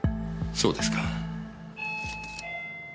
そうですか。